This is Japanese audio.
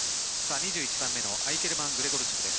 ２１番目のアイケルマン・グレゴルチュクです。